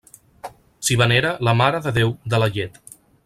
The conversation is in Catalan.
S'hi venera la Mare de Déu de la llet.